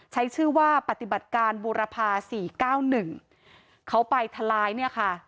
ใช้ชื่อว่าปฏิบัติการบูรพาสี่เก้าหนึ่งเขาไปทลายเนี่ยค่ะ